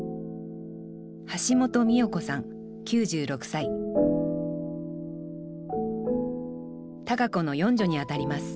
橋本美代子さん９６歳多佳子の四女にあたります